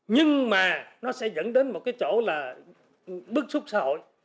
nhưng mà nó sẽ dẫn đến một cái chỗ là bức xúc xã hội